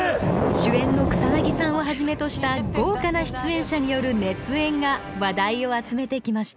主演の草さんをはじめとした豪華な出演者による熱演が話題を集めてきました